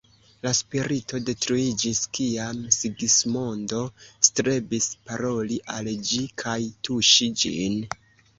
La spirito detruiĝis kiam Sigismondo strebis paroli al ĝi kaj tuŝi ĝin.